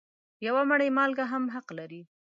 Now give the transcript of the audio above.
یوه مړۍ مالګه هم حق لري.